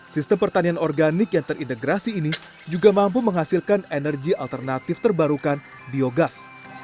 sistem pertanian organik yang terintegrasi ini juga mampu menghasilkan energi alternatif terbarukan biogas